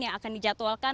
yang akan dijadwalkan